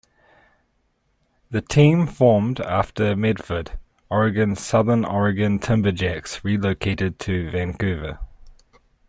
The team formed after Medford, Oregon's Southern Oregon Timberjacks relocated to Vancouver.